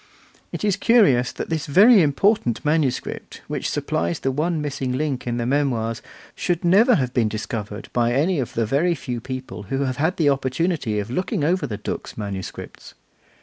It is curious that this very important manuscript, which supplies the one missing link in the Memoirs, should never have been discovered by any of the few people who have had the opportunity of looking over the Dux manuscripts.